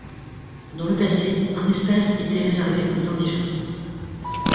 Dans le passé un espace était réservé aux indigents.